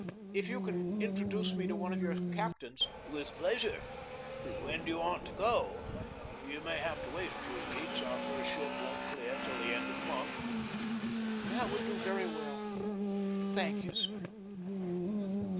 If you can introduce me to one of your captains " "With pleasure. When do you want to go? You may have to wait a few weeks. Our first ship won't clear till the end of the month." "That would do very well. Thank you, sir."